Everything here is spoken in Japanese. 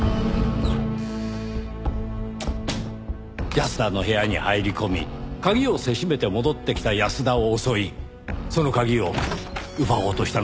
安田の部屋に入り込み鍵をせしめて戻ってきた安田を襲いその鍵を奪おうとしたのではありませんか？